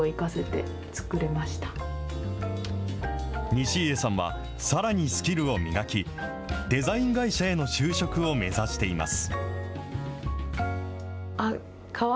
西家さんは、さらにスキルを磨き、デザイン会社への就職を目指しています。